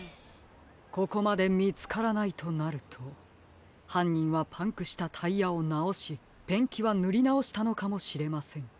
ここまでみつからないとなるとはんにんはパンクしたタイヤをなおしペンキはぬりなおしたのかもしれません。